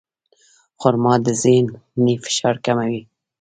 خرما د ذهني فشار کموي.